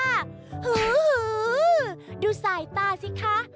หื้อดูสายตาสิคะ